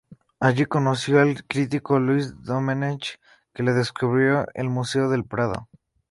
Alli conoció al crítico Luis Domenech, que le descubrió el Museo del Prado.